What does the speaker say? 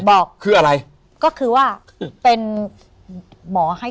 โปรดติดตามต่อไป